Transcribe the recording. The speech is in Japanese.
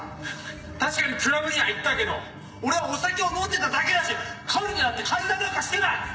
確かにクラブには行ったけど俺はお酒を飲んでただけだしカルテだって改ざんなんかしてない！